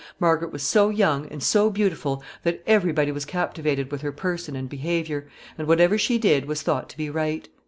Margaret was so young and so beautiful that every body was captivated with her person and behavior, and whatever she did was thought to be right.